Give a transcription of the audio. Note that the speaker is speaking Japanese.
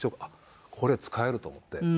あっこれ使えると思って。